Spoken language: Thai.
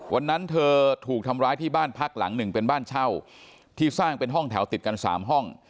วันนั้นเธอถูกทำร้ายที่บ้านพักหลังหนึ่งเป็นบ้านเช่าที่สร้างเป็นห้องแถวติดกันสามห้อง